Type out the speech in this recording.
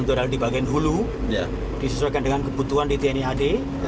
itu adalah di bagian hulu disesuaikan dengan kebutuhan di tni ad